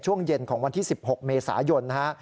ช่วงเย็นของวันที่๑๖เมษายนนะฮะ